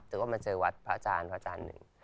แต่ว่ามันเจอวัดพระอาจารย์